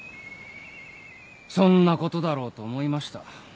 そんなことだろうと思いました。